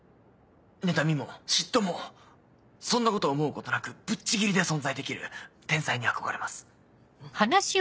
妬みも嫉妬もそんなこと思うことなくぶっちぎりで存在できる天才に憧れます。